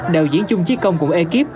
đạo diễn chung chí công cùng ekip